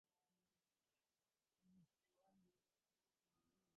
তিনি James Tait Black স্মৃতি পুরস্কার পেয়েছিলেন।